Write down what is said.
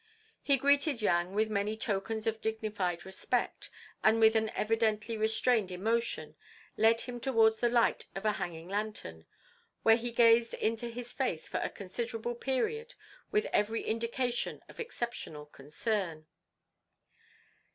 He greeted Yang with many tokens of dignified respect, and with an evidently restrained emotion led him towards the light of a hanging lantern, where he gazed into his face for a considerable period with every indication of exceptional concern.